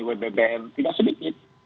wbbm tidak sedikit